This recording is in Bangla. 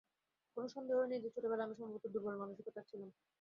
কোন সন্দেহই নেই যে ছোটবেলায় আমি সম্ভবত দুর্বল মানসিকতার ছিলাম।